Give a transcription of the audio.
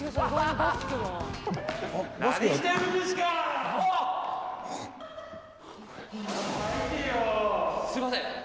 すみません。